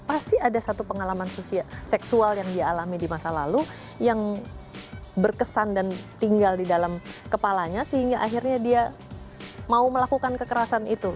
pasti ada satu pengalaman seksual yang dia alami di masa lalu yang berkesan dan tinggal di dalam kepalanya sehingga akhirnya dia mau melakukan kekerasan itu